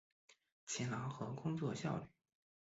勤劳和工作效率